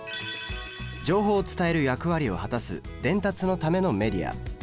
情報を伝える役割を果たす「伝達のためのメディア」。